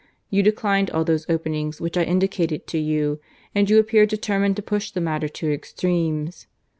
You declined all those openings which I indicated to you, and you appear determined to push the matter to extremes.